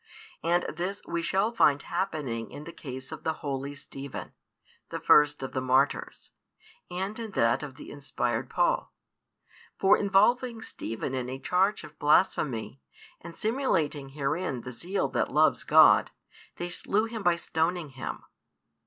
And this we shall find happening in the case of the holy Stephen, the |436 first of the martyrs, and in that of the inspired Paul. For involving Stephen in a charge of blasphemy, and simulating herein the zeal that loves God, they slew him by stoning him.